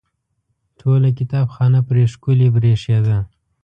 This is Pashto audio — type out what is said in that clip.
ټوله کتابخانه پرې ښکلې برېښېده.